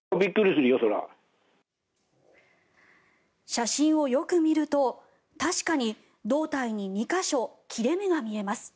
写真をよく見ると確かに胴体に２か所切れ目が見えます。